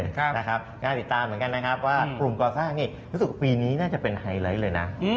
กำลังติดตามเหมือนกันนะครับว่ากลุ่มก่อสร้างนี่รู้สึกว่าปีนี้น่าจะเป็นไฮไลท์เลยนะ